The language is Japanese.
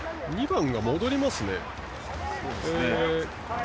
２番が戻りますね。